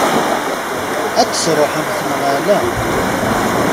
Ad d-truḥemt, neɣ ala?